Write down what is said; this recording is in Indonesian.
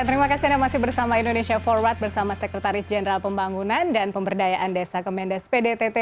terima kasih anda masih bersama indonesia forward bersama sekretaris jenderal pembangunan dan pemberdayaan desa kemendes pdtt